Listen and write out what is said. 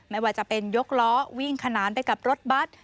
ไม่ว่าจะเป็นยกล้อวิ่งขนานไปกับรถบัตร